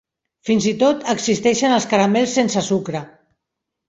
Fins i tot, existeixen els caramels sense sucre.